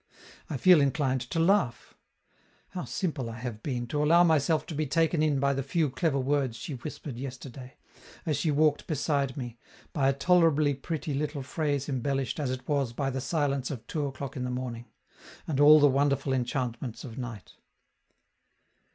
I feel inclined to laugh. How simple I have been, to allow myself to be taken in by the few clever words she whispered yesterday, as she walked beside me, by a tolerably pretty little phrase embellished as it was by the silence of two o'clock in the morning, and all the wonderful enchantments of night.